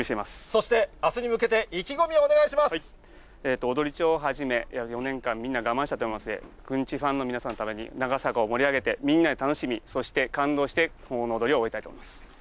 そしてあすに向けて意気込み踊町をはじめ、４年間みんな我慢してたので、くんちファンの皆さんのために、長坂を盛り上げて、みんなで楽しみ、そして感動して奉納の踊りを踊りたいと思います。